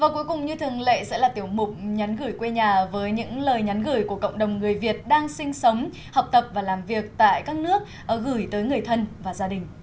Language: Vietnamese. cuối cùng như thường lệ sẽ là tiểu mục nhắn gửi quê nhà với những lời nhắn gửi của cộng đồng người việt đang sinh sống học tập và làm việc tại các nước gửi tới người thân và gia đình